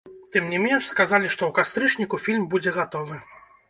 Тым не менш, сказалі, што ў кастрычніку фільм будзе гатовы.